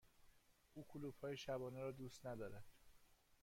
او کلوپ های شبانه را دوست ندارد.